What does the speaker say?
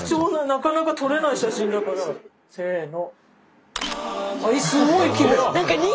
せの。